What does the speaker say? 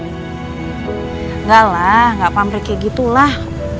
enggak lah gak pamrik kayak gitulah